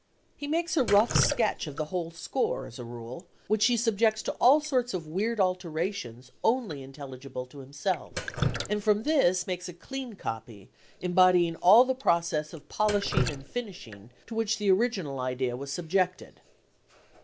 He makes a rough sketch of the whole score as a rule, which he subjects to all sorts of weird alterations only intelligible to himself, and from this makes a clean copy embodying all the process of polishing and finishing to which the original idea was subjected.